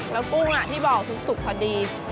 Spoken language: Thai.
แล้วกุ้งอ่ะที่บอกสุดพอดี